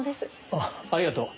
ああありがとう。